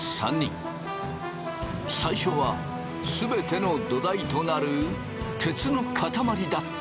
最初は全ての土台となる鉄の塊だった。